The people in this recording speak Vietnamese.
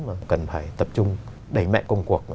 mà cần phải tập trung đẩy mẹ công cuộc